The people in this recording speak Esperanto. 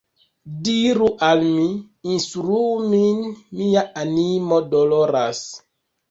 Diru al mi, instruu min, mia animo doloras!